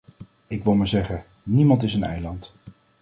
Ik wil maar zeggen: niemand is een eiland.